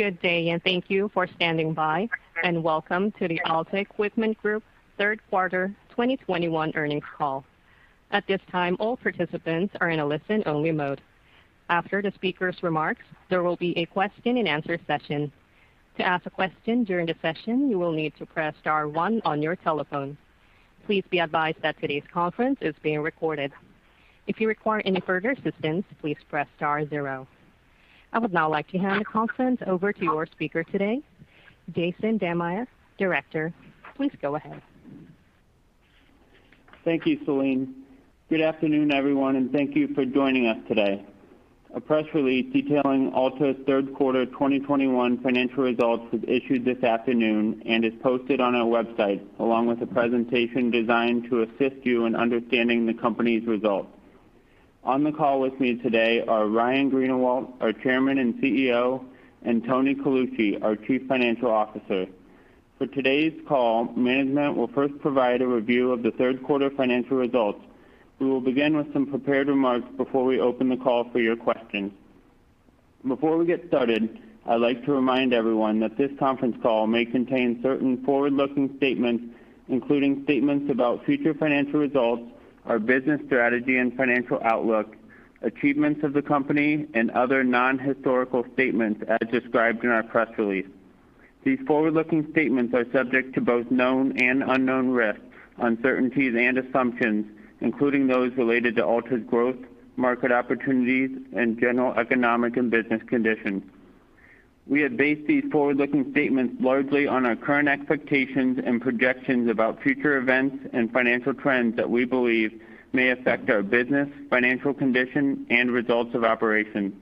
Good day, and thank you for standing by, and welcome to the Alta Equipment Group third quarter 2021 earnings call. At this time, all participants are in a listen-only mode. After the speaker's remarks, there will be a question-and-answer session. To ask a question during the session, you will need to press star one on your telephone. Please be advised that today's conference is being recorded. If you require any further assistance, please press star zero. I would now like to hand the conference over to our speaker today, Jason Dammeyer, Director. Please go ahead. Thank you, Celine. Good afternoon, everyone, and thank you for joining us today. A press release detailing Alta's third quarter 2021 financial results was issued this afternoon and is posted on our website, along with a presentation designed to assist you in understanding the company's results. On the call with me today are Ryan Greenawalt, our Chairman and CEO, and Tony Colucci, our Chief Financial Officer. For today's call, management will first provide a review of the third quarter financial results. We will begin with some prepared remarks before we open the call for your questions. Before we get started, I'd like to remind everyone that this conference call may contain certain forward-looking statements, including statements about future financial results, our business strategy and financial outlook, achievements of the company and other non-historical statements as described in our press release. These forward-looking statements are subject to both known and unknown risks, uncertainties and assumptions, including those related to Alta's growth, market opportunities and general economic and business conditions. We have based these forward-looking statements largely on our current expectations and projections about future events and financial trends that we believe may affect our business, financial condition and results of operations.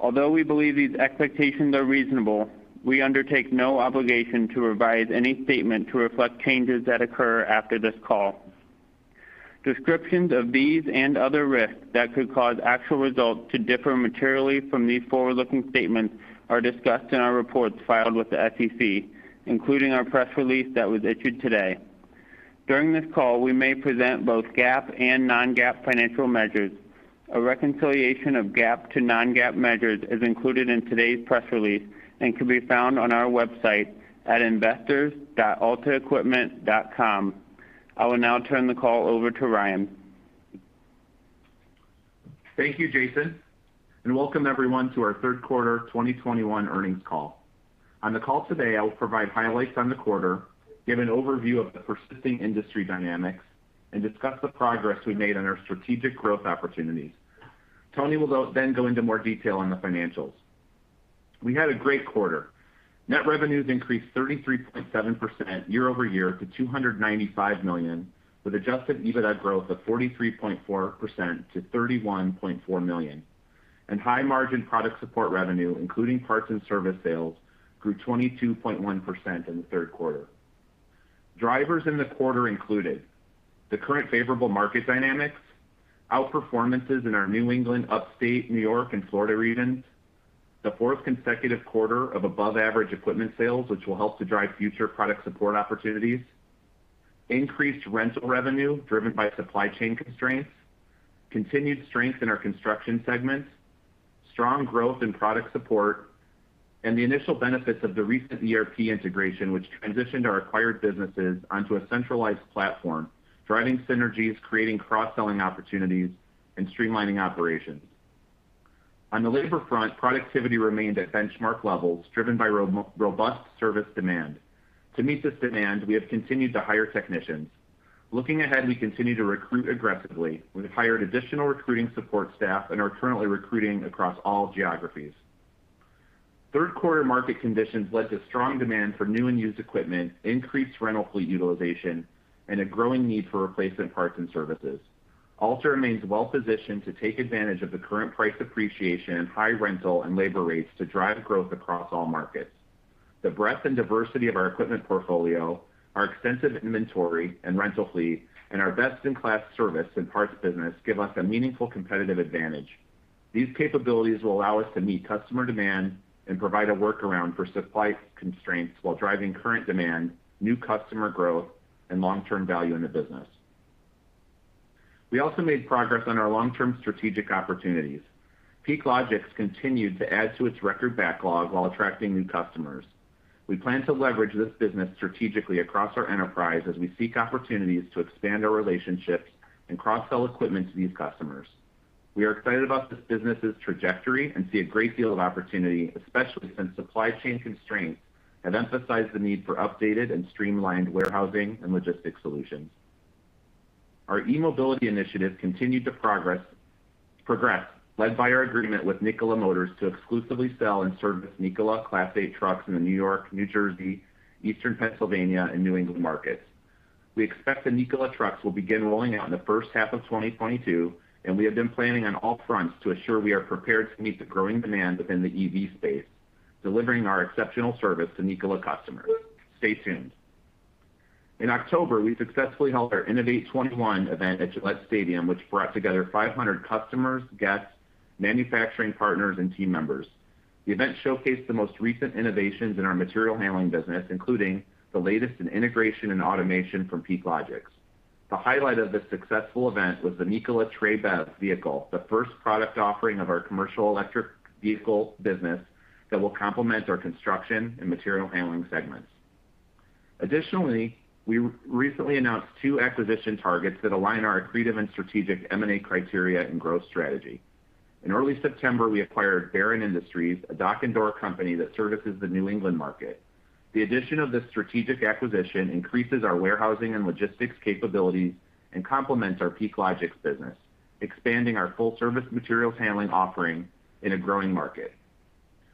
Although we believe these expectations are reasonable, we undertake no obligation to revise any statement to reflect changes that occur after this call. Descriptions of these and other risks that could cause actual results to differ materially from these forward-looking statements are discussed in our reports filed with the SEC, including our press release that was issued today. During this call, we may present both GAAP and non-GAAP financial measures. A reconciliation of GAAP to non-GAAP measures is included in today's press release and can be found on our website at investors.altaequipment.com. I will now turn the call over to Ryan. Thank you, Jason, and welcome everyone to our third quarter 2021 earnings call. On the call today, I will provide highlights on the quarter, give an overview of the persisting industry dynamics, and discuss the progress we made on our strategic growth opportunities. Tony will then go into more detail on the financials. We had a great quarter. Net revenues increased 33.7% year-over-year to $295 million, with adjusted EBITDA growth of 43.4% to $31.4 million. High margin product support revenue, including parts and service sales, grew 22.1% in the third quarter. Drivers in the quarter included the current favorable market dynamics, outperformances in our New England, Upstate New York and Florida regions, the fourth consecutive quarter of above average equipment sales, which will help to drive future product support opportunities, increased rental revenue driven by supply chain constraints, continued strength in our construction segments, strong growth in product support, and the initial benefits of the recent ERP integration which transitioned our acquired businesses onto a centralized platform, driving synergies, creating cross-selling opportunities and streamlining operations. On the labor front, productivity remained at benchmark levels driven by robust service demand. To meet this demand, we have continued to hire technicians. Looking ahead, we continue to recruit aggressively. We've hired additional recruiting support staff and are currently recruiting across all geographies. Third quarter market conditions led to strong demand for new and used equipment, increased rental fleet utilization, and a growing need for replacement parts and services. Alta remains well-positioned to take advantage of the current price appreciation and high rental and labor rates to drive growth across all markets. The breadth and diversity of our equipment portfolio, our extensive inventory and rental fleet, and our best-in-class service and parts business give us a meaningful competitive advantage. These capabilities will allow us to meet customer demand and provide a workaround for supply constraints while driving current demand, new customer growth, and long-term value in the business. We also made progress on our long-term strategic opportunities. PeakLogix continued to add to its record backlog while attracting new customers. We plan to leverage this business strategically across our enterprise as we seek opportunities to expand our relationships and cross-sell equipment to these customers. We are excited about this business's trajectory and see a great deal of opportunity, especially since supply chain constraints have emphasized the need for updated and streamlined warehousing and logistics solutions. Our e-mobility initiative continued to progress led by our agreement with Nikola Motors to exclusively sell and service Nikola Class Eight trucks in the New York, New Jersey, Eastern Pennsylvania and New England markets. We expect the Nikola trucks will begin rolling out in the first half of 2022, and we have been planning on all fronts to assure we are prepared to meet the growing demand within the EV space, delivering our exceptional service to Nikola customers. Stay tuned. In October, we successfully held our Innovate 21 event at Gillette Stadium, which brought together 500 customers, guests, manufacturing partners and team members. The event showcased the most recent innovations in our material handling business, including the latest in integration and automation from PeakLogix. The highlight of this successful event was the Nikola Tre BEV vehicle, the first product offering of our commercial electric vehicle business that will complement our construction and material handling segments. Additionally, we recently announced two acquisition targets that align our accretive and strategic M&A criteria and growth strategy. In early September, we acquired Baron Industries, a dock and door company that services the New England market. The addition of this strategic acquisition increases our warehousing and logistics capabilities and complements our PeakLogix business, expanding our full-service materials handling offering in a growing market.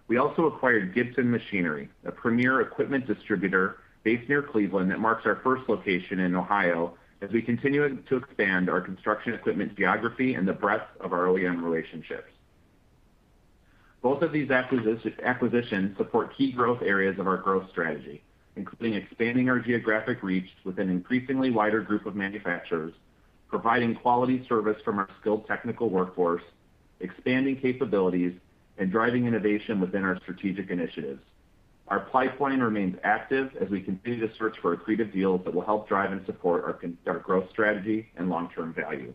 We also acquired Gibson Machinery, a premier equipment distributor based near Cleveland that marks our first location in Ohio as we continue to expand our construction equipment geography and the breadth of our OEM relationships. Both of these acquisitions support key growth areas of our growth strategy, including expanding our geographic reach with an increasingly wider group of manufacturers, providing quality service from our skilled technical workforce, expanding capabilities, and driving innovation within our strategic initiatives. Our pipeline remains active as we continue to search for accretive deals that will help drive and support our growth strategy and long-term value.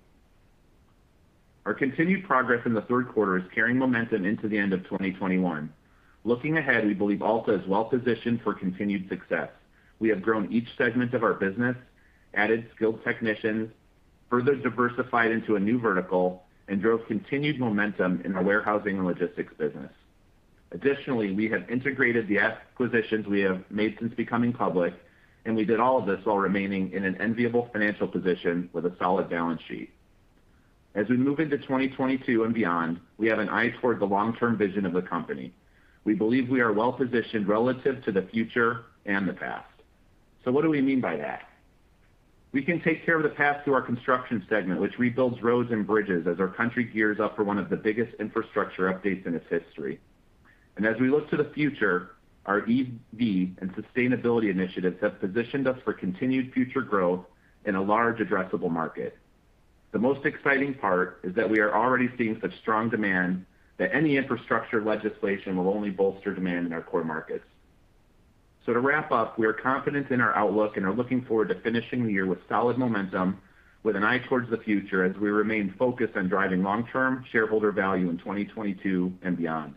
Our continued progress in the third quarter is carrying momentum into the end of 2021. Looking ahead, we believe Alta is well-positioned for continued success. We have grown each segment of our business, added skilled technicians, further diversified into a new vertical, and drove continued momentum in our warehousing and logistics business. Additionally, we have integrated the acquisitions we have made since becoming public, and we did all of this while remaining in an enviable financial position with a solid balance sheet. As we move into 2022 and beyond, we have an eye toward the long-term vision of the company. We believe we are well-positioned relative to the future and the past. What do we mean by that? We can take care of the past through our construction segment, which rebuilds roads and bridges as our country gears up for one of the biggest infrastructure updates in its history. As we look to the future, our EV and sustainability initiatives have positioned us for continued future growth in a large addressable market. The most exciting part is that we are already seeing such strong demand that any infrastructure legislation will only bolster demand in our core markets. To wrap up, we are confident in our outlook and are looking forward to finishing the year with solid momentum with an eye towards the future as we remain focused on driving long-term shareholder value in 2022 and beyond.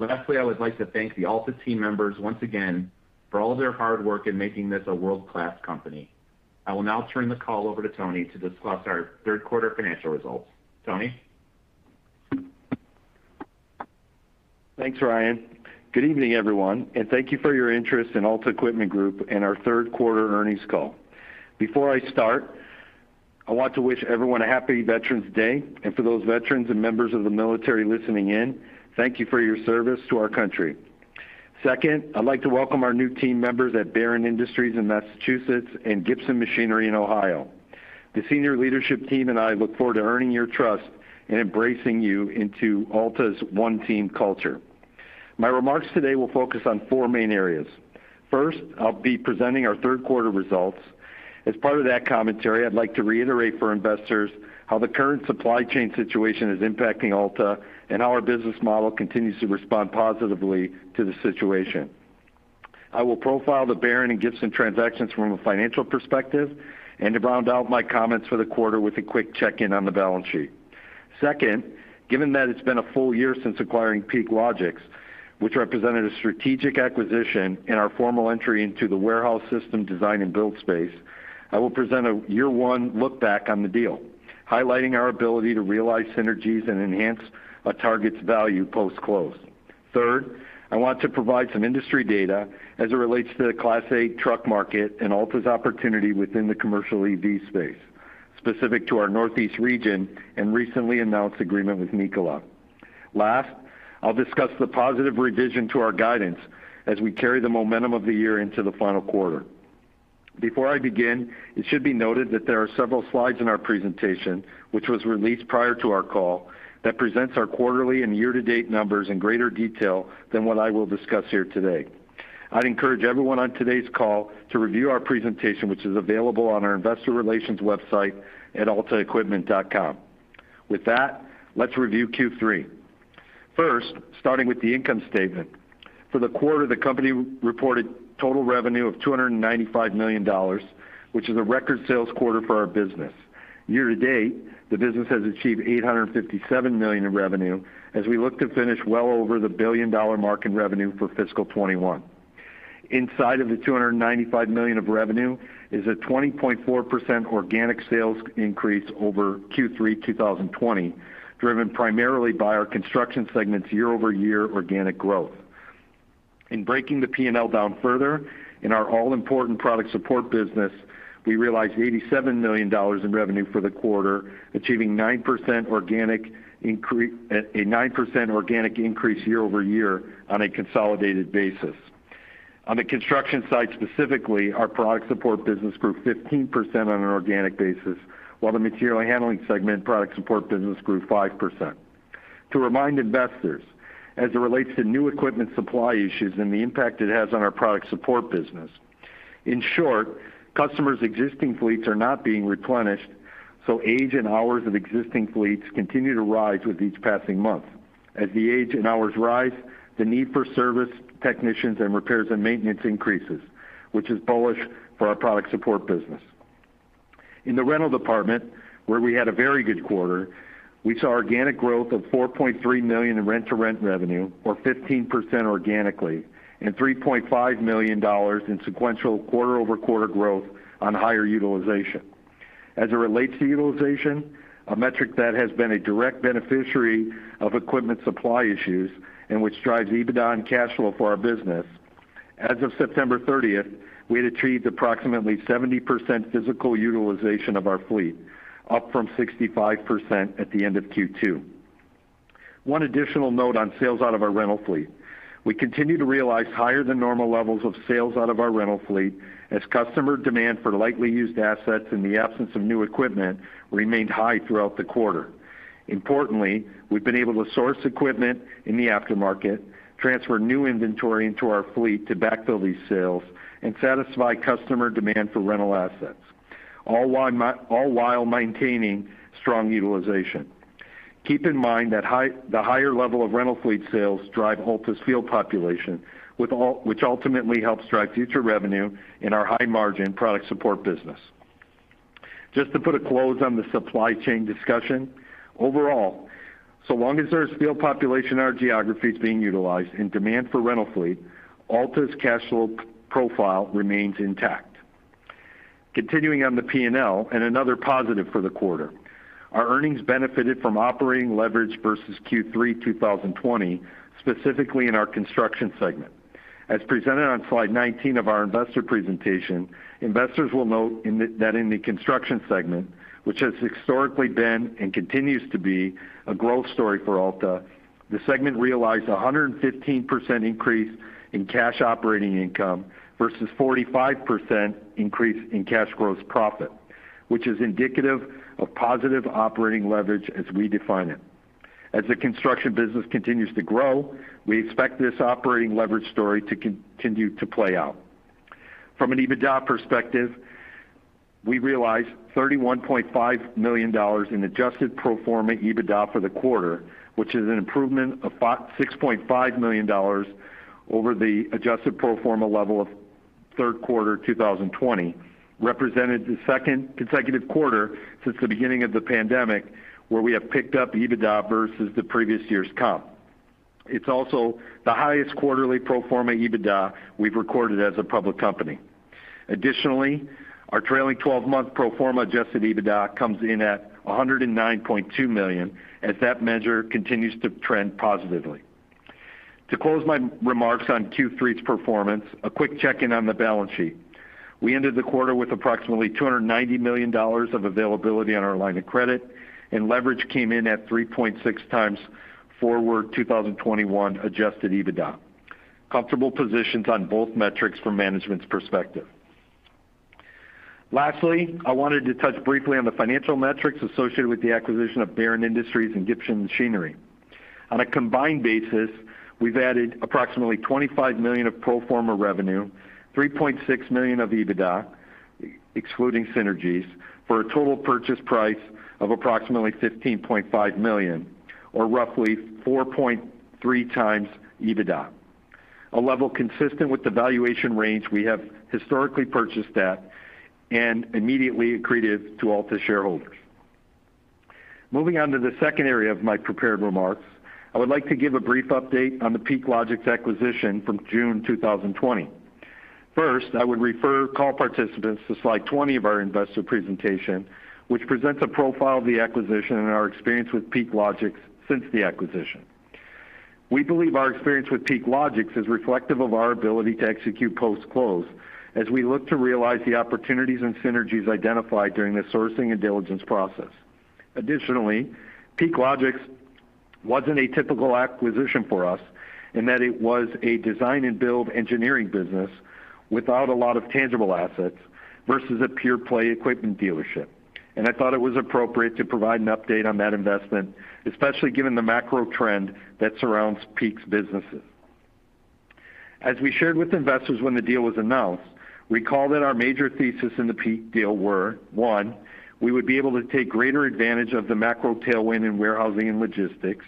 Lastly, I would like to thank the Alta team members once again for all their hard work in making this a world-class company. I will now turn the call over to Tony to discuss our third quarter financial results. Tony? Thanks, Ryan. Good evening, everyone, and thank you for your interest in Alta Equipment Group and our third quarter earnings call. Before I start, I want to wish everyone a Happy Veterans Day. For those veterans and members of the military listening in, thank you for your service to our country. Second, I'd like to welcome our new team members at Baron Industries in Massachusetts and Gibson Machinery in Ohio. The senior leadership team and I look forward to earning your trust and embracing you into Alta's one team culture. My remarks today will focus on four main areas. First, I'll be presenting our third quarter results. As part of that commentary, I'd like to reiterate for investors how the current supply chain situation is impacting Alta and how our business model continues to respond positively to the situation. I will profile the Baron and Gibson transactions from a financial perspective and to round out my comments for the quarter with a quick check-in on the balance sheet. Second, given that it's been a full year since acquiring PeakLogix, which represented a strategic acquisition in our formal entry into the warehouse system design and build space, I will present a year one look back on the deal, highlighting our ability to realize synergies and enhance a target's value post-close. Third, I want to provide some industry data as it relates to the Class Eight truck market and Alta's opportunity within the commercial EV space specific to our Northeast region and recently announced agreement with Nikola. Last, I'll discuss the positive revision to our guidance as we carry the momentum of the year into the final quarter. Before I begin, it should be noted that there are several slides in our presentation, which was released prior to our call, that presents our quarterly and year-to-date numbers in greater detail than what I will discuss here today. I'd encourage everyone on today's call to review our presentation, which is available on our investor relations website at altaequipment.com. With that, let's review Q3. First, starting with the income statement. For the quarter, the company reported total revenue of $295 million, which is a record sales quarter for our business. Year to date, the business has achieved $857 million in revenue as we look to finish well over the billion-dollar mark in revenue for fiscal 2021. Inside of the $295 million of revenue is a 20.4% organic sales increase over Q3 2020, driven primarily by our Construction segment's year-over-year organic growth. In breaking the P&L down further, in our all-important product support business, we realized $87 million in revenue for the quarter, achieving 9% organic increase, a 9% organic increase year over year on a consolidated basis. On the Construction side specifically, our product support business grew 15% on an organic basis, while the Material Handling segment product support business grew 5%. To remind investors, as it relates to new equipment supply issues and the impact it has on our product support business, in short, customers' existing fleets are not being replenished. Age and hours of existing fleets continue to rise with each passing month. As the age and hours rise, the need for service technicians and repairs and maintenance increases, which is bullish for our product support business. In the rental department, where we had a very good quarter, we saw organic growth of $43 million in rent-to-rent revenue, or 15% organically, and $3.5 million in sequential quarter-over-quarter growth on higher utilization. As it relates to utilization, a metric that has been a direct beneficiary of equipment supply issues and which drives EBITDA and cash flow for our business. As of September 30, we had achieved approximately 70% physical utilization of our fleet, up from 65% at the end of Q2. One additional note on sales out of our rental fleet. We continue to realize higher than normal levels of sales out of our rental fleet as customer demand for lightly used assets in the absence of new equipment remained high throughout the quarter. Importantly, we've been able to source equipment in the aftermarket, transfer new inventory into our fleet to backfill these sales, and satisfy customer demand for rental assets, all while maintaining strong utilization. Keep in mind that the higher level of rental fleet sales drive Alta's field population, which ultimately helps drive future revenue in our high margin product support business. Just to put a close on the supply chain discussion, overall, so long as there's field population in our geographies being utilized and demand for rental fleet, Alta's cash flow profile remains intact. Continuing on the P&L and another positive for the quarter, our earnings benefited from operating leverage versus Q3 2020, specifically in our construction segment. As presented on slide 19 of our investor presentation, investors will note that in the construction segment, which has historically been and continues to be a growth story for Alta, the segment realized a 115% increase in cash operating income versus 45% increase in cash gross profit. Which is indicative of positive operating leverage as we define it. As the construction business continues to grow, we expect this operating leverage story to continue to play out. From an EBITDA perspective, we realized $31.5 million in adjusted pro forma EBITDA for the quarter, which is an improvement of $6.5 million over the adjusted pro forma level of Q3 2020. It represented the second consecutive quarter since the beginning of the pandemic, where we have picked up EBITDA versus the previous year's comp. It's also the highest quarterly pro forma EBITDA we've recorded as a public company. Additionally, our trailing twelve-month pro forma adjusted EBITDA comes in at $109.2 million, as that measure continues to trend positively. To close my remarks on Q3's performance, a quick check-in on the balance sheet. We ended the quarter with approximately $290 million of availability on our line of credit, and leverage came in at 3.6x forward 2021 adjusted EBITDA. Comfortable positions on both metrics from management's perspective. Lastly, I wanted to touch briefly on the financial metrics associated with the acquisition of Baron Industries and Gibson Machinery. On a combined basis, we've added approximately $25 million of pro forma revenue, $3.6 million of EBITDA, excluding synergies, for a total purchase price of approximately $15.5 million, or roughly 4.3x EBITDA. A level consistent with the valuation range we have historically purchased at and immediately accretive to all the shareholders. Moving on to the second area of my prepared remarks, I would like to give a brief update on the PeakLogix acquisition from June 2020. First, I would refer call participants to slide 20 of our investor presentation, which presents a profile of the acquisition and our experience with PeakLogix since the acquisition. We believe our experience with PeakLogix is reflective of our ability to execute post-close as we look to realize the opportunities and synergies identified during the sourcing and diligence process. Additionally, PeakLogix wasn't a typical acquisition for us in that it was a design and build engineering business without a lot of tangible assets versus a pure play equipment dealership. I thought it was appropriate to provide an update on that investment, especially given the macro trend that surrounds PeakLogix's businesses. As we shared with investors when the deal was announced, we called it our major thesis in the PeakLogix deal was, one, we would be able to take greater advantage of the macro tailwind in warehousing and logistics.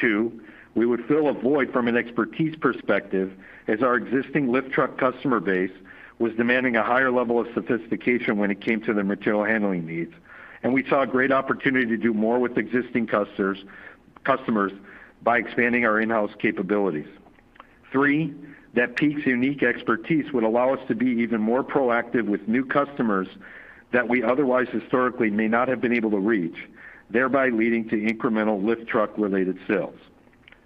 Two, we would fill a void from an expertise perspective as our existing lift truck customer base was demanding a higher level of sophistication when it came to their material handling needs. We saw a great opportunity to do more with existing customers by expanding our in-house capabilities. Three, that Peak's unique expertise would allow us to be even more proactive with new customers that we otherwise historically may not have been able to reach, thereby leading to incremental lift truck related sales.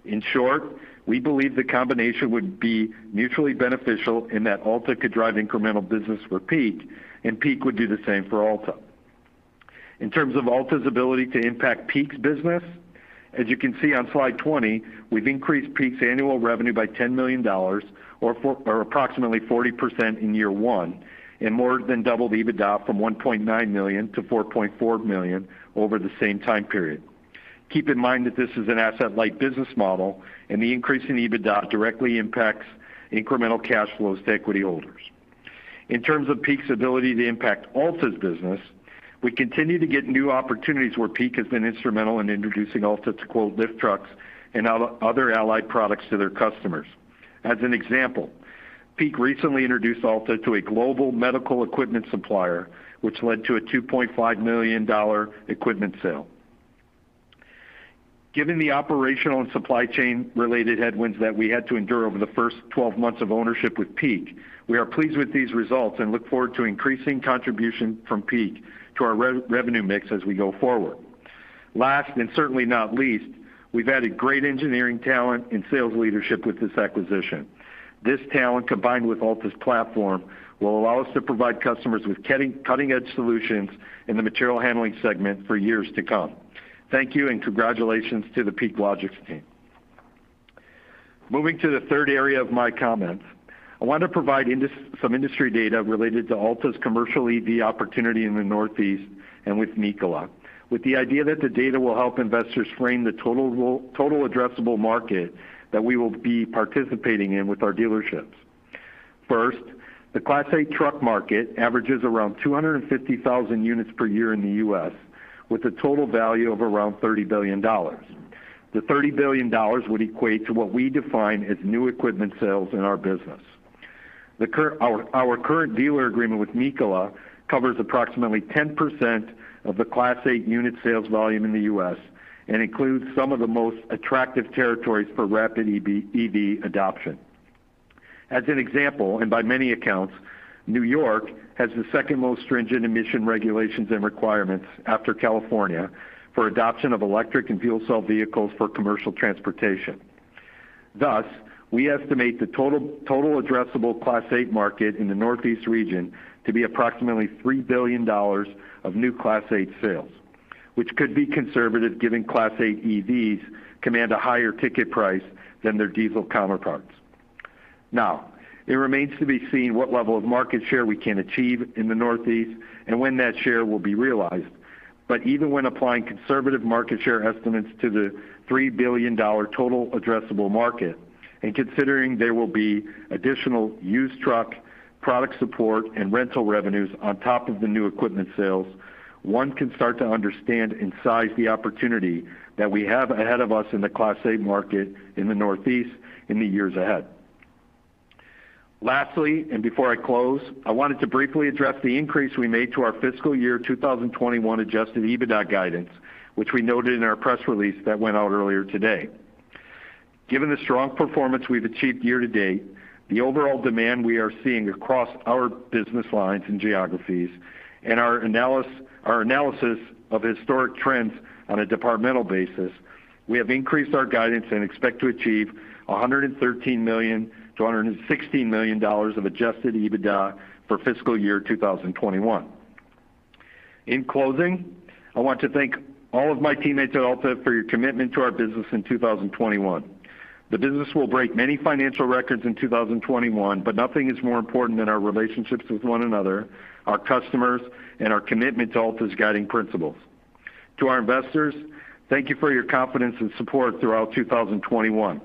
In short, we believe the combination would be mutually beneficial in that Alta could drive incremental business for Peak, and Peak would do the same for Alta. In terms of Alta's ability to impact Peak's business, as you can see on slide 20, we've increased Peak's annual revenue by $10 million or approximately 40% in year one, and more than doubled EBITDA from $1.9 million to $4.4 million over the same time period. Keep in mind that this is an asset-light business model, and the increase in EBITDA directly impacts incremental cash flows to equity holders. In terms of Peak's ability to impact Alta's business, we continue to get new opportunities where Peak has been instrumental in introducing Alta to quote lift trucks and other allied products to their customers. As an example, Peak recently introduced Alta to a global medical equipment supplier, which led to a $2.5 million equipment sale. Given the operational and supply chain related headwinds that we had to endure over the first 12 months of ownership with Peak, we are pleased with these results and look forward to increasing contribution from Peak to our revenue mix as we go forward. Last, and certainly not least, we've added great engineering talent and sales leadership with this acquisition. This talent, combined with Alta's platform, will allow us to provide customers with cutting-edge solutions in the material handling segment for years to come. Thank you, and congratulations to the Peak Logix team. Moving to the third area of my comments, I want to provide some industry data related to Alta's commercial EV opportunity in the Northeast and with Nikola, with the idea that the data will help investors frame the total addressable market that we will be participating in with our dealerships. First, the Class Eight truck market averages around 250,000 units per year in the U.S., with a total value of around $30 billion. The $30 billion would equate to what we define as new equipment sales in our business. Our current dealer agreement with Nikola covers approximately 10% of the Class Eight unit sales volume in the U.S. and includes some of the most attractive territories for rapid EV adoption. As an example, and by many accounts, New York has the second most stringent emissions regulations and requirements after California for adoption of electric and fuel cell vehicles for commercial transportation. Thus, we estimate the total addressable Class Eight market in the Northeast region to be approximately $3 billion of new Class Eight sales, which could be conservative, given Class Eight EVs command a higher ticket price than their diesel counterparts. Now, it remains to be seen what level of market share we can achieve in the Northeast and when that share will be realized. Even when applying conservative market share estimates to the $3 billion total addressable market, and considering there will be additional used truck product support and rental revenues on top of the new equipment sales, one can start to understand and size the opportunity that we have ahead of us in the Class Eight market in the Northeast in the years ahead. Lastly, before I close, I wanted to briefly address the increase we made to our fiscal year 2021 adjusted EBITDA guidance, which we noted in our press release that went out earlier today. Given the strong performance we've achieved year to date, the overall demand we are seeing across our business lines and geographies, and our analysis of historic trends on a departmental basis, we have increased our guidance and expect to achieve $113 million-$116 million of adjusted EBITDA for fiscal year 2021. In closing, I want to thank all of my teammates at Alta for your commitment to our business in 2021. The business will break many financial records in 2021, but nothing is more important than our relationships with one another, our customers, and our commitment to Alta's guiding principles. To our investors, thank you for your confidence and support throughout 2021.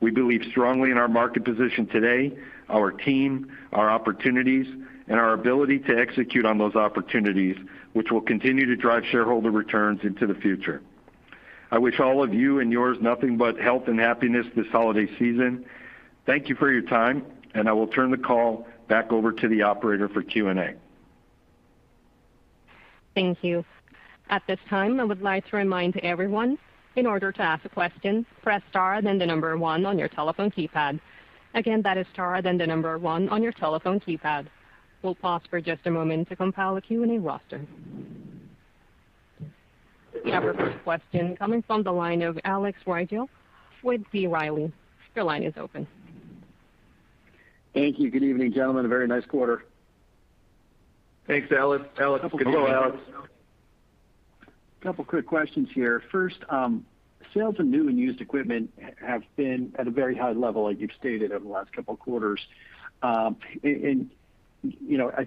We believe strongly in our market position today, our team, our opportunities, and our ability to execute on those opportunities, which will continue to drive shareholder returns into the future. I wish all of you and yours nothing but health and happiness this holiday season. Thank you for your time, and I will turn the call back over to the operator for Q&A. Thank you. At this time, I would like to remind everyone in order to ask a question, press star, then the number one on your telephone keypad. Again, that is star, then the number one on your telephone keypad. We'll pause for just a moment to compile a Q&A roster. We have our first question coming from the line of Alex Rygiel with B. Riley. Your line is open. Thank you. Good evening, gentlemen. A very nice quarter. Thanks, Alex. Alex, good to go, Alex. Couple quick questions here. First, sales of new and used equipment have been at a very high level, like you've stated over the last couple of quarters. You know, I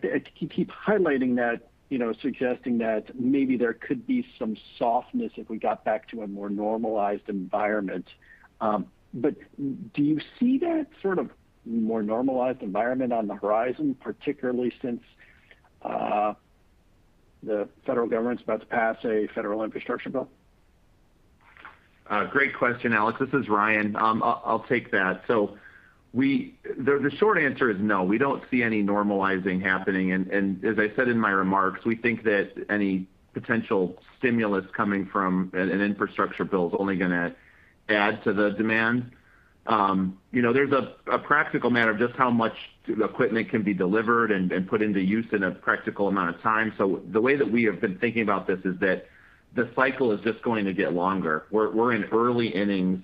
keep highlighting that, you know, suggesting that maybe there could be some softness if we got back to a more normalized environment. Do you see that sort of more normalized environment on the horizon, particularly since the federal government's about to pass a federal infrastructure bill? Great question, Alex. This is Ryan. I'll take that. The short answer is no, we don't see any normalizing happening. As I said in my remarks, we think that any potential stimulus coming from an infrastructure bill is only gonna add to the demand. You know, there's a practical matter of just how much equipment can be delivered and put into use in a practical amount of time. The way that we have been thinking about this is that the cycle is just going to get longer. We're in early innings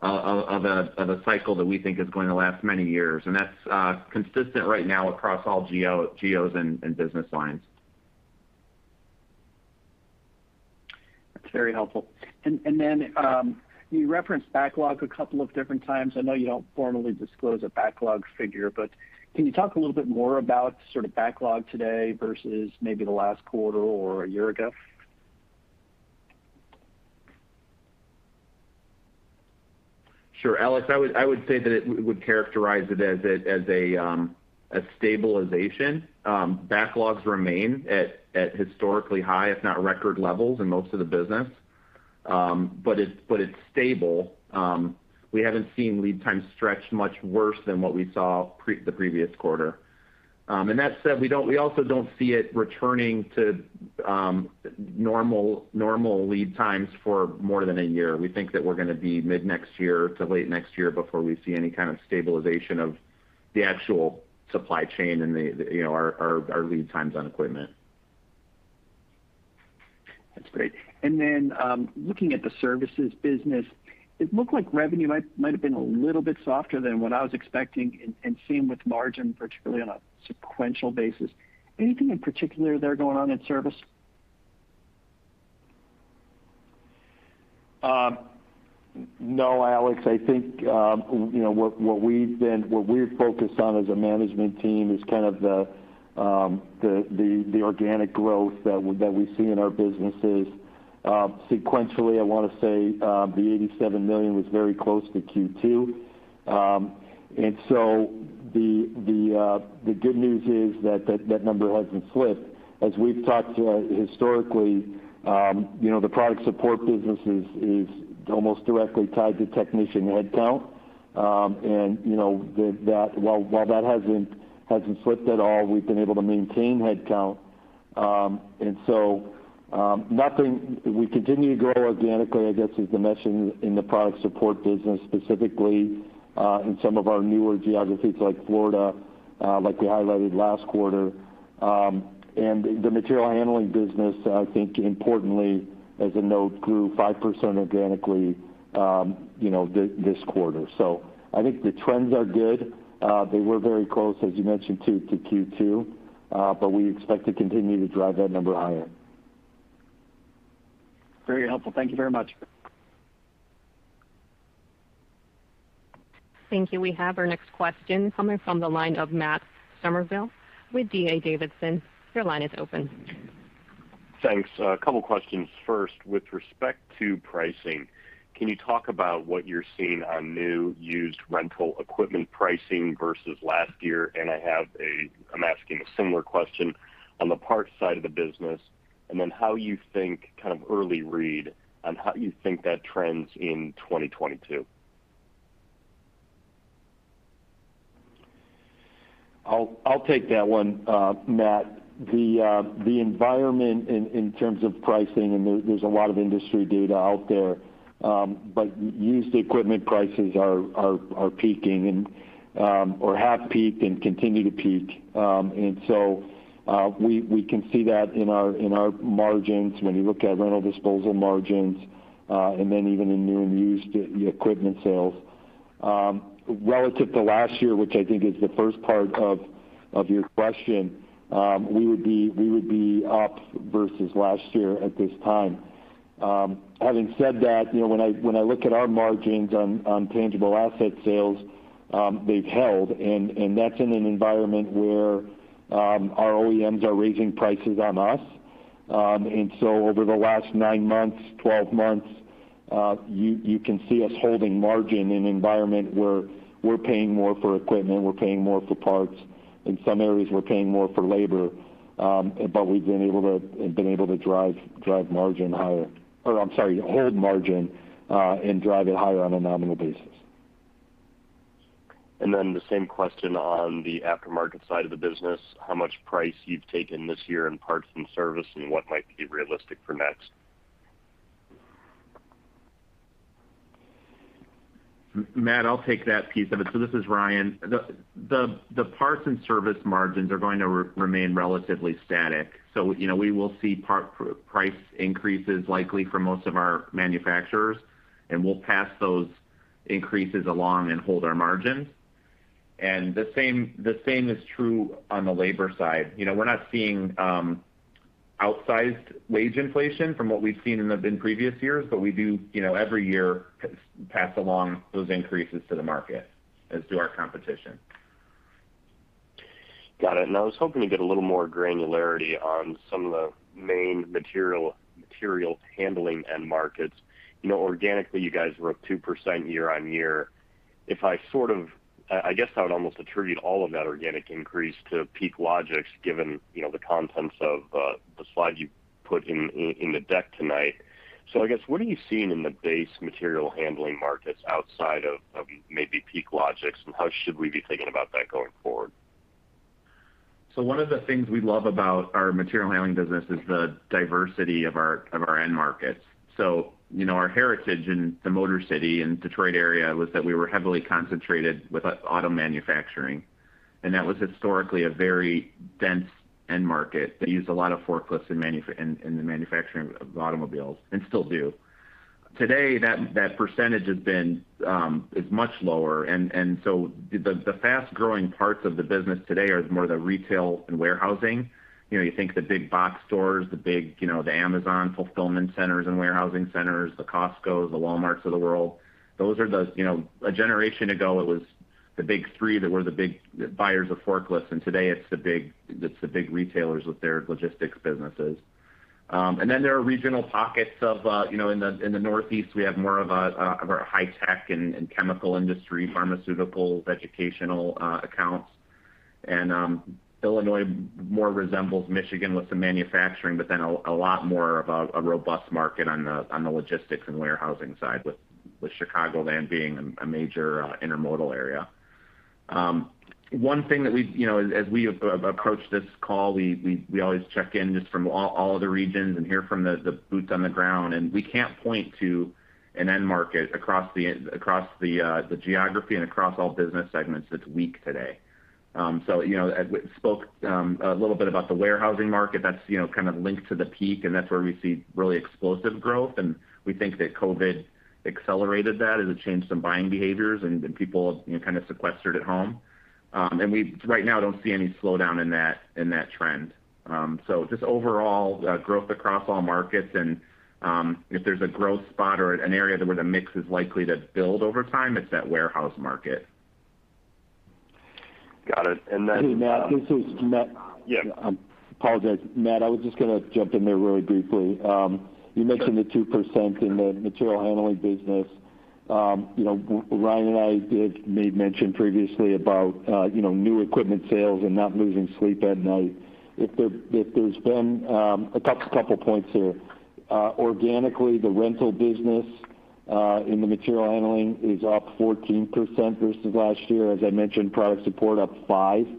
of a cycle that we think is going to last many years, and that's consistent right now across all geos and business lines. That's very helpful. You referenced backlog a couple of different times. I know you don't formally disclose a backlog figure, but can you talk a little bit more about sort of backlog today versus maybe the last quarter or a year ago? Sure. Alex, I would say that I would characterize it as a stabilization. Backlogs remain at historically high, if not record levels in most of the business. It's stable. We haven't seen lead time stretch much worse than what we saw prior to the previous quarter. That said, we also don't see it returning to normal lead times for more than a year. We think that we're gonna be mid-next year to late next year before we see any kind of stabilization of the actual supply chain and our lead times on equipment. That's great. Looking at the services business, it looked like revenue might have been a little bit softer than what I was expecting and same with margin, particularly on a sequential basis. Anything in particular there going on in service? No, Alex. I think, you know, what we're focused on as a management team is kind of the organic growth that we see in our businesses. Sequentially, I wanna say, the $87 million was very close to Q2. The good news is that that number hasn't slipped. As we've talked about historically, you know, the product support business is almost directly tied to technician headcount. You know, while that hasn't slipped at all, we've been able to maintain headcount. We continue to grow organically, I guess, as mentioned in the product support business, specifically, in some of our newer geographies like Florida, like we highlighted last quarter. The material handling business, I think importantly, as a note, grew 5% organically, you know, this quarter. I think the trends are good. They were very close, as you mentioned too, to Q2, but we expect to continue to drive that number higher. Very helpful. Thank you very much. Thank you. We have our next question coming from the line of Matt Summerville with D.A. Davidson. Your line is open. Thanks. A couple questions. First, with respect to pricing, can you talk about what you're seeing on new used rental equipment pricing versus last year? I'm asking a similar question on the parts side of the business, and then how you think kind of early read on how you think that trends in 2022. I'll take that one, Matt. The environment in terms of pricing, and there's a lot of industry data out there, but used equipment prices are peaking or have peaked and continue to peak. And so we can see that in our margins when you look at rental disposal margins, and then even in new and used equipment sales. Relative to last year, which I think is the first part of your question, we would be up versus last year at this time. Having said that, you know, when I look at our margins on tangible asset sales, they've held, and that's in an environment where our OEMs are raising prices on us. Over the last nine months, 12 months, you can see us holding margin in an environment where we're paying more for equipment, we're paying more for parts. In some areas, we're paying more for labor, but we've been able to drive margin higher. I'm sorry, hold margin, and drive it higher on a nominal basis. The same question on the aftermarket side of the business, how much price you've taken this year in parts and service and what might be realistic for next? Matt, I'll take that piece of it. This is Ryan. The parts and service margins are going to remain relatively static. You know, we will see price increases likely for most of our manufacturers, and we'll pass those increases along and hold our margins. The same is true on the labor side. You know, we're not seeing outsized wage inflation from what we've seen in previous years, but we do, you know, every year pass along those increases to the market as do our competition. Got it. I was hoping to get a little more granularity on some of the main materials handling end markets. You know, organically, you guys were up 2% year-on-year. If I sort of, I guess I would almost attribute all of that organic increase to PeakLogix, given, you know, the contents of the slide you put in the deck tonight. I guess, what are you seeing in the base material handling markets outside of maybe PeakLogix, and how should we be thinking about that going forward? One of the things we love about our material handling business is the diversity of our end markets. You know, our heritage in the Motor City and Detroit area was that we were heavily concentrated with auto manufacturing. That was historically a very dense end market. They used a lot of forklifts in the manufacturing of automobiles, and still do. Today, that percentage is much lower. The fast-growing parts of the business today are more the retail and warehousing. You know, you think the big box stores, the big, you know, the Amazon fulfillment centers and warehousing centers, the Costcos, the Walmarts of the world. Those are the. A generation ago, it was the big three that were the big buyers of forklifts, and today it's the big retailers with their logistics businesses. Then there are regional pockets of in the Northeast, we have more of a high tech and chemical industry, pharmaceuticals, educational accounts. Illinois more resembles Michigan with some manufacturing, but then a lot more of a robust market on the logistics and warehousing side with Chicago then being a major intermodal area. One thing that, as we have approached this call, we always check in just from all of the regions and hear from the boots on the ground. We can't point to an end market across the geography and across all business segments that's weak today. You know, as we spoke a little bit about the warehousing market, that's you know kind of linked to the Peak, and that's where we see really explosive growth. We think that COVID accelerated that as it changed some buying behaviors and people you know kind of sequestered at home. We right now don't see any slowdown in that trend. Just overall growth across all markets. If there's a growth spot or an area where the mix is likely to build over time, it's that warehouse market. Got it. Hey, Matt, Yeah. I apologize. Matt, I was just gonna jump in there really briefly. You mentioned. Sure. The 2% in the material handling business. You know, Ryan and I did make mention previously about, you know, new equipment sales and not losing sleep at night. If there's been, I'll touch a couple points here. Organically, the rental business in the material handling is up 14% versus last year. As I mentioned, product support up 5%.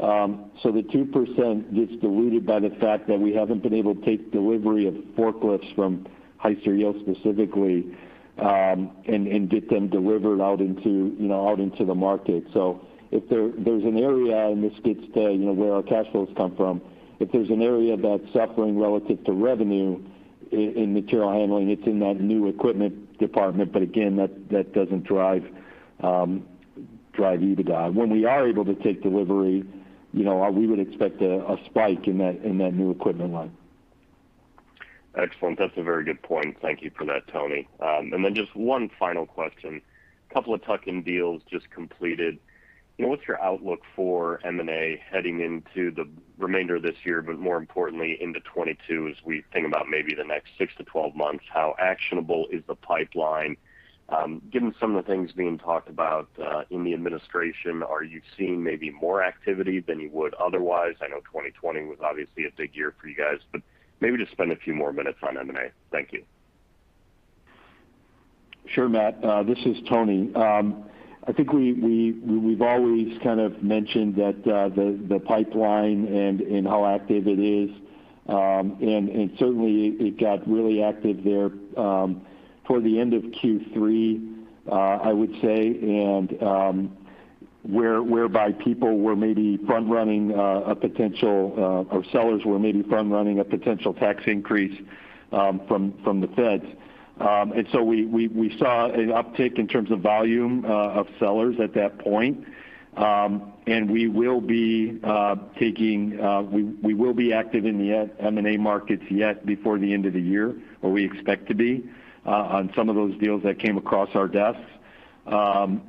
So, the 2% gets diluted by the fact that we haven't been able to take delivery of forklifts from Hyster-Yale specifically, and get them delivered out into, you know, out into the market. So, if there's an area, and this gets to, you know, where our cash flows come from. If there's an area that's suffering relative to revenue in material handling, it's in that new equipment department. But again, that doesn't drive EBITDA. When we are able to take delivery, you know, we would expect a spike in that new equipment line. Excellent. That's a very good point. Thank you for that, Tony. Just one final question. A couple of tuck-in deals just completed. You know, what's your outlook for M&A heading into the remainder of this year, but more importantly into 2022 as we think about maybe the next 6-12 months, how actionable is the pipeline? Given some of the things being talked about in the administration, are you seeing maybe more activity than you would otherwise? I know 2020 was obviously a big year for you guys, but maybe just spend a few more minutes on M&A. Thank you. Sure, Matt. This is Tony. I think we've always kind of mentioned that, the pipeline and how active it is. Certainly, it got really active there toward the end of Q3, I would say, and whereby sellers were maybe front running a potential tax increase from the feds. We saw an uptick in terms of volume of sellers at that point. We will be active in the M&A markets yet before the end of the year, or we expect to be on some of those deals that came across our desks. I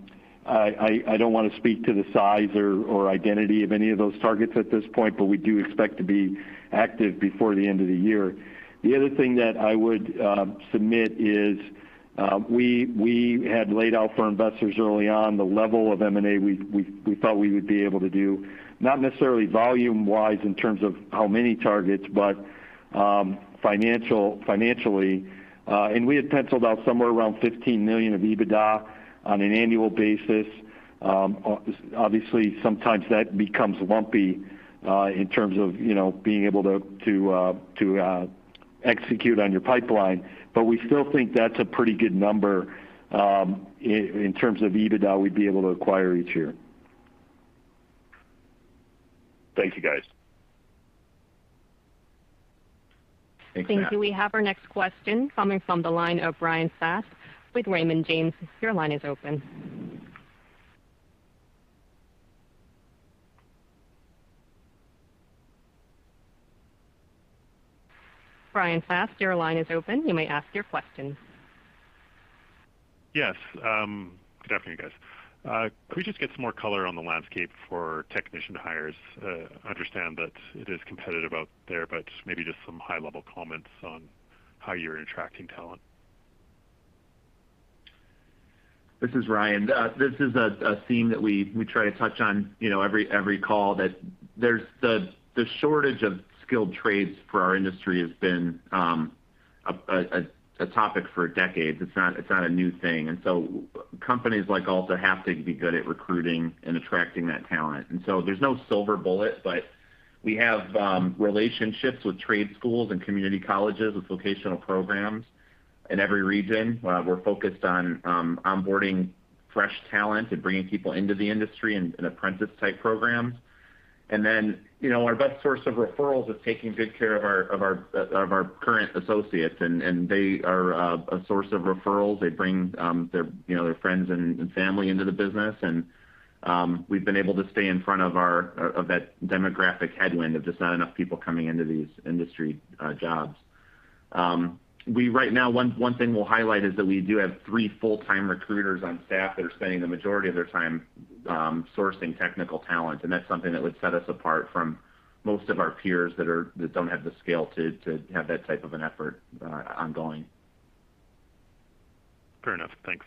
don't wanna speak to the size or identity of any of those targets at this point, but we do expect to be active before the end of the year. The other thing that I would submit is, we had laid out for investors early on the level of M&A we thought we would be able to do, not necessarily volume-wise in terms of how many targets, but financially. We had penciled out somewhere around $15 million of EBITDA on an annual basis. Obviously, sometimes that becomes lumpy in terms of you know, being able to execute on your pipeline. We still think that's a pretty good number in terms of EBITDA we'd be able to acquire each year. Thank you, guys. Thanks, Matt. Thank you. We have our next question coming from the line of Bryan Fast with Raymond James. Your line is open. Bryan Fast, your line is open. You may ask your question. Yes. Good afternoon, guys. Could we just get some more color on the landscape for technician hires? I understand that it is competitive out there, but maybe just some high-level comments on how you're attracting talent. This is Ryan. This is a theme that we try to touch on, you know, every call, that there's the shortage of skilled trades for our industry has been a topic for decades. It's not a new thing. Companies like Alta have to be good at recruiting and attracting that talent. There's no silver bullet, but we have relationships with trade schools and community colleges with vocational programs in every region. We're focused on onboarding fresh talent and bringing people into the industry in apprentice-type programs. You know, our best source of referrals is taking good care of our current associates. They are a source of referrals. They bring their, you know, friends and family into the business. We've been able to stay in front of that demographic headwind of just not enough people coming into these industry jobs. One thing we'll highlight is that we do have 3 full-time recruiters on staff that are spending the majority of their time sourcing technical talent, and that's something that would set us apart from most of our peers that don't have the scale to have that type of an effort ongoing. Fair enough. Thanks.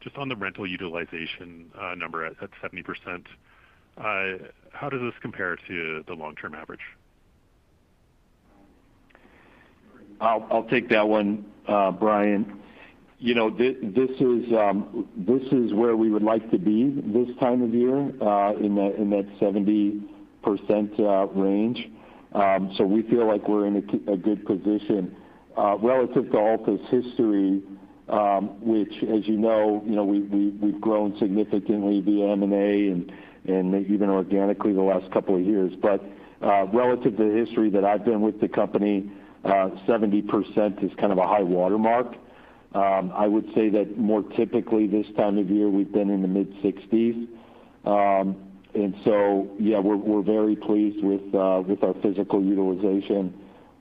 Just on the rental utilization, number at 70%, how does this compare to the long-term average? I'll take that one, Bryan. You know, this is where we would like to be this time of year, in that 70% range. We feel like we're in a good position relative to Alta's history, which, as you know, we've grown significantly via M&A and even organically the last couple of years. Relative to the history that I've been with the company, 70% is kind of a high watermark. I would say that more typically this time of year, we've been in the mid-60s. We're very pleased with our physical utilization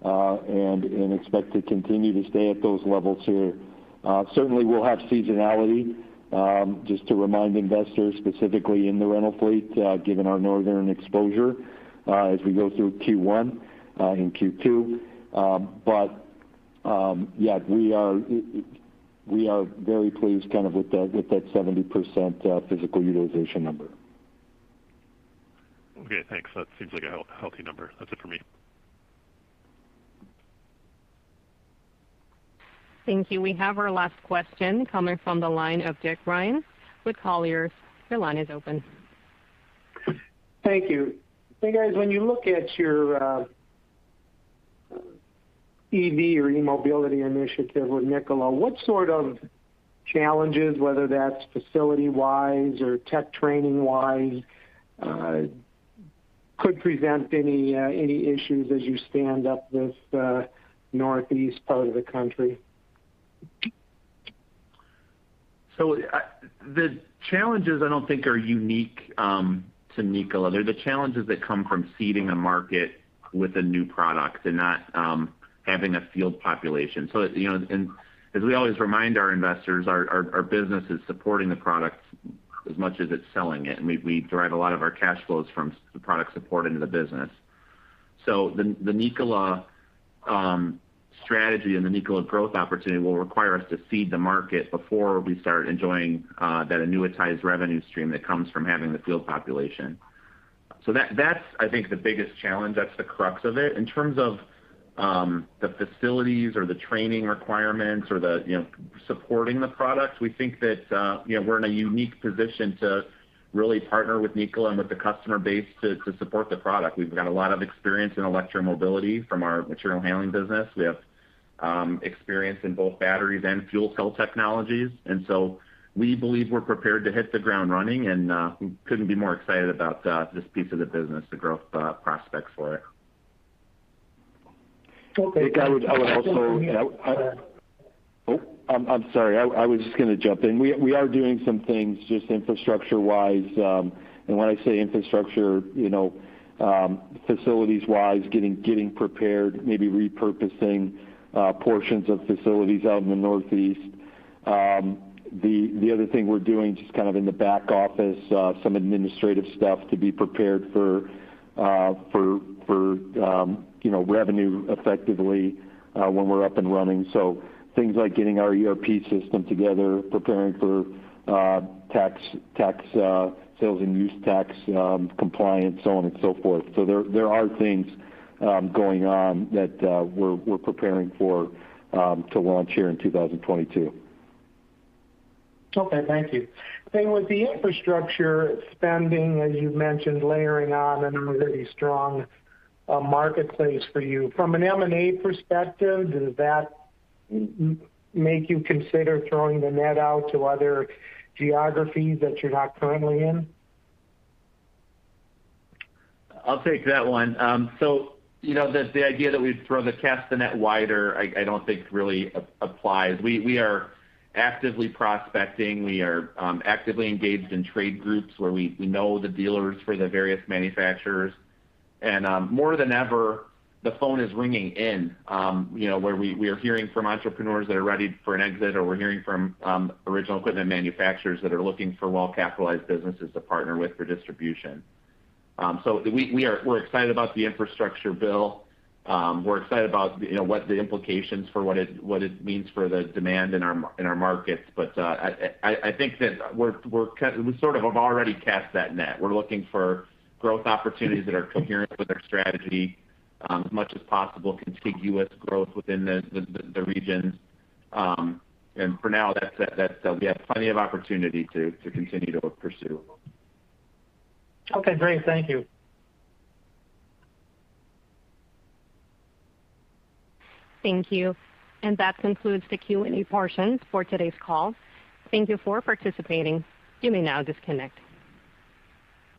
and expect to continue to stay at those levels here. Certainly, we'll have seasonality, just to remind investors, specifically in the rental fleet, given our northern exposure, as we go through Q1 and Q2. Yeah, we are very pleased kind of with that 70% physical utilization number. Okay, thanks. That seems like a healthy number. That's it for me. Thank you. We have our last question coming from the line of Dick Ryan with Colliers. Your line is open. Thank you. Hey, guys, when you look at your EV or e-mobility initiative with Nikola, what sort of challenges, whether that's facility-wise or tech training-wise, could present any issues as you stand up this northeast part of the country? The challenges I don't think are unique to Nikola. They're the challenges that come from seeding a market with a new product and not having a field population. You know, as we always remind our investors, our business is supporting the product as much as it's selling it, and we derive a lot of our cash flows from the product support into the business. The Nikola strategy and the Nikola growth opportunity will require us to seed the market before we start enjoying that annuitized revenue stream that comes from having the field population. That's, I think, the biggest challenge. That's the crux of it. In terms of the facilities or the training requirements or the, you know, supporting the product, we think that, you know, we're in a unique position to really partner with Nikola and with the customer base to support the product. We've got a lot of experience in e-mobility from our material handling business. We have experience in both batteries and fuel cell technologies. We believe we're prepared to hit the ground running, and we couldn't be more excited about this piece of the business, the growth prospects for it. Okay. Dick, I would also. Oh, I'm sorry. I was just gonna jump in. We are doing some things just infrastructure-wise, and when I say infrastructure, you know, facilities-wise, getting prepared, maybe repurposing portions of facilities out in the Northeast. The other thing we're doing, just kind of in the back office, some administrative stuff to be prepared for you know, revenue effectively, when we're up and running. So things like getting our ERP system together, preparing for tax, sales and use tax compliance, so on and so forth. So there are things going on that we're preparing for to launch here in 2022. Okay. Thank you. With the infrastructure spending, as you've mentioned, layering on another very strong marketplace for you. From an M&A perspective, does that make you consider throwing the net out to other geographies that you're not currently in? I'll take that one. You know, the idea that we'd cast the net wider, I don't think really applies. We are actively prospecting. We are actively engaged in trade groups where we know the dealers for the various manufacturers. More than ever, the phone is ringing in, you know, where we are hearing from entrepreneurs that are ready for an exit or we're hearing from original equipment manufacturers that are looking for well-capitalized businesses to partner with for distribution. We are excited about the infrastructure bill. We're excited about, you know, what the implications for what it means for the demand in our markets. I think that we sort of have already cast that net. We're looking for growth opportunities that are coherent with our strategy, as much as possible, contiguous growth within the regions. For now, that's that. We have plenty of opportunity to continue to pursue. Okay, great. Thank you. Thank you. That concludes the Q&A portion for today's call. Thank you for participating. You may now disconnect.